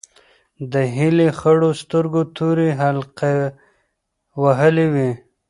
د هیلې خړو سترګو تورې حلقې وهلې وې.